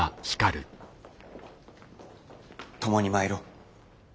共に参ろう。